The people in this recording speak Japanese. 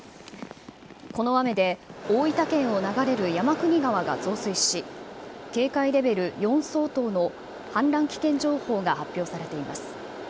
この雨で大分県を流れる山国川が増水し、警戒レベル４相当の氾濫危険情報が発表されています。